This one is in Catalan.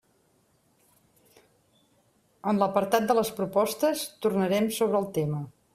En l'apartat de les propostes tornarem sobre el tema.